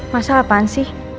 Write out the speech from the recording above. masalah apaan sih